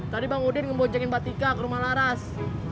tadi bang udin ngemboncengin mbak tika ke rumah laras